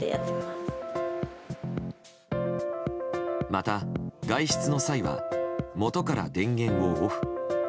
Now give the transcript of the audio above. また、外出の際は元から電源をオフ。